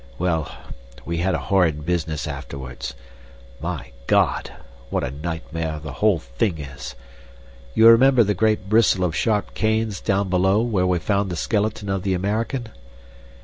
Well, we had a horrid business afterwards. My God! what a nightmare the whole thing is! You remember the great bristle of sharp canes down below where we found the skeleton of the American?